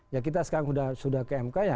ya kita sekarang sudah ke mk ya